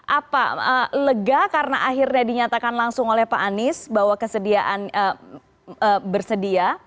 apa lega karena akhirnya dinyatakan langsung oleh pak anies bahwa kesediaan bersedia